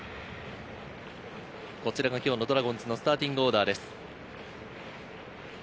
今日のドラゴンズのスターティングオーダーです。